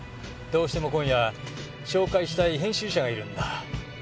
どうしても今夜紹介したい編集者がいるんだ。